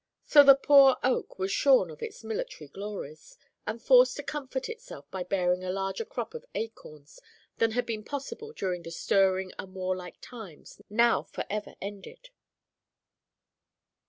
So the poor oak was shorn of its military glories, and forced to comfort itself by bearing a larger crop of acorns than had been possible during the stirring and warlike times, now for ever ended.